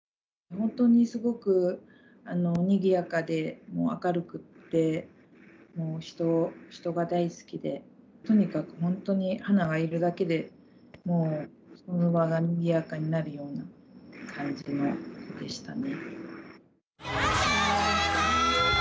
本当にすごくにぎやかで明るくて、もう人が大好きで、とにかく本当に花がいるだけで、もうその場がにぎやかになるような感じの子でしたね。